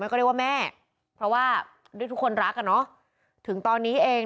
ก็เรียกว่าแม่เพราะว่าด้วยทุกคนรักอ่ะเนอะถึงตอนนี้เอง